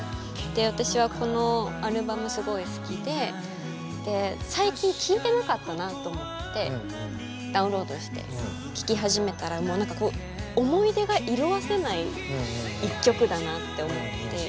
私はこのアルバムすごい好きで最近聴いてなかったなと思ってダウンロードして聴き始めたら思い出が色あせない一曲だなって思って。